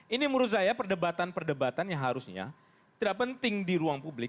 ini menurut saya perdebatan perdebatan yang harusnya tidak penting di ruang publik